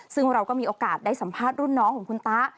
ซึ่งเราก็มีโอกาสได้สัมภาษณ์รุ่นน้องของคุณตา